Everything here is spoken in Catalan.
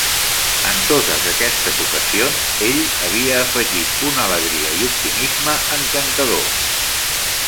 En totes aquestes ocasions, ell havia afegit una alegria i optimisme encantadors.